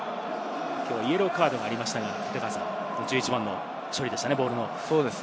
きょう、イエローカードがありましたが、１１番のボールの処理でしたね。